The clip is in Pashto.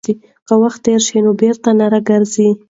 که وخت تېر شي نو بېرته نه راګرځي.